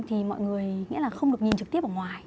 thì mọi người nghĩa là không được nhìn trực tiếp ở ngoài